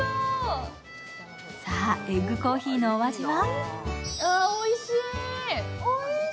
さあ、エッグコーヒーのお味は？